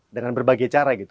dengan berbagai cara gitu